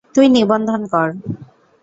তুই নিবন্ধন কর।